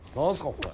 これ。